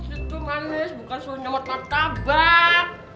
situ manis bukan suruh nyemot martabak